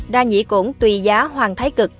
đa nhĩ cổn tùy giá hoàng thái cực